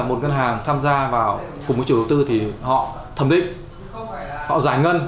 một ngân hàng tham gia vào cùng với chủ đầu tư thì họ thẩm định họ giải ngân